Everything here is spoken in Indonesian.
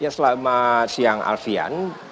selamat siang alfian